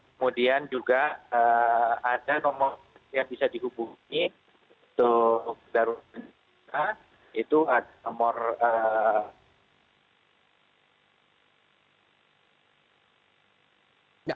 kemudian juga ada nomor yang bisa dihubungi untuk darurat bencana